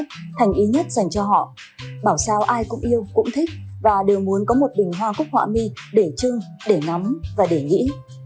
cúc họa mi là biểu tượng nhất dành cho họ bảo sao ai cũng yêu cũng thích và đều muốn có một bình hoa cúc họa mi để chương để ngắm và để nghĩ